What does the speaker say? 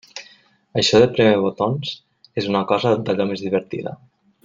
Això de prémer botons és una cosa d'allò més divertida.